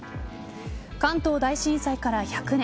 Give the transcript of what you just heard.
関東大震災から１００年。